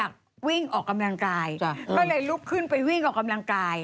ก็เลยลึกขึ้นไปวิ่งออกกำลังกาย